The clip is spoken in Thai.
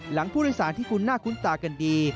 หลังผู้โดยสารที่คุ้นหน้าคุ้นตากันดี